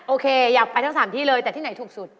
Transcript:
โอเคอยากไปทั้ง๓ที่เลยแต่ที่ไหนถูกสุด